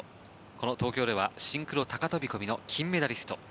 この東京ではシンクロ高飛込の金メダリスト。